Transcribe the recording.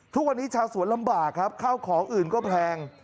ทุกวันนี้ชาวสวนลำบากครับข้าวของอื่นก็แพง